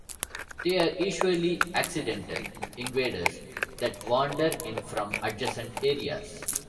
They are usually "accidental invaders" that wander in from adjacent areas.